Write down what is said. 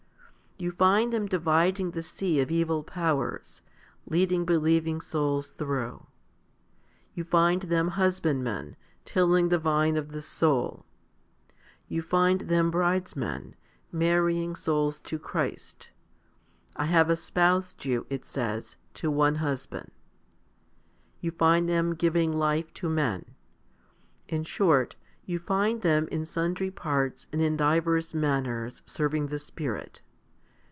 You find them dividing the sea of evil powers, leading believing souls through. You find them husbandmen, tilling the vine of the soul. You find them bridesmen, marrying souls to Christ :/ have espoused you, it says, to one Husband. 3 You find them giving life to men. In short, you find them in sundry parts and in divers manners* serving the Spirit.